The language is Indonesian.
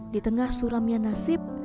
di tengah suramnya nasib